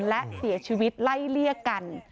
และเสียชีวิตไล่เลี่ยกัน